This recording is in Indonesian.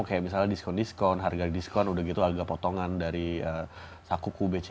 kayak misalnya diskon diskon harga diskon udah gitu agak potongan dari sakuku beca